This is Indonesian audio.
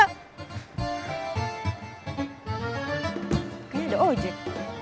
kayaknya ada ojek